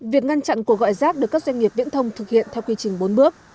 việc ngăn chặn cuộc gọi rác được các doanh nghiệp viễn thông thực hiện theo quy trình bốn bước